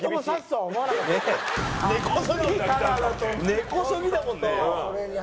根こそぎだもんね。